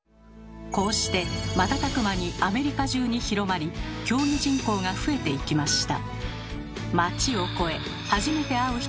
こうして瞬く間にアメリカ中に広まり競技人口が増えていきました。